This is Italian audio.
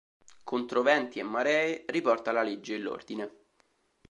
Contro venti e maree, riporta la legge e l'ordine.